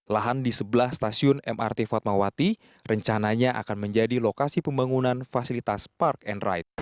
lahan di sebelah stasiun mrt fatmawati rencananya akan menjadi lokasi pembangunan fasilitas park and ride